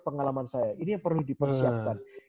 pengalaman saya ini yang perlu dipersiapkan